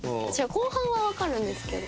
後半はわかるんですけど。